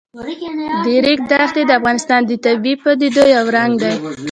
د ریګ دښتې د افغانستان د طبیعي پدیدو یو رنګ دی.